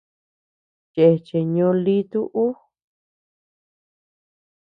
Chéche ñóo lítu ú.